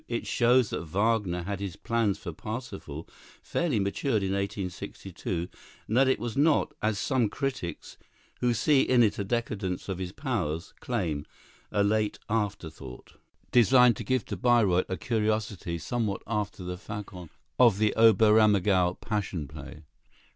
It shows that Wagner had his plans for "Parsifal" fairly matured in 1862, and that it was not, as some critics, who see in it a decadence of his powers, claim, a late afterthought, designed to give to Bayreuth a curiosity somewhat after the façon of the Oberammergau "Passion Play."